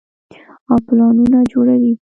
او پلانونه جوړوي -